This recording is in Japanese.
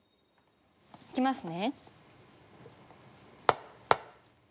いきますね。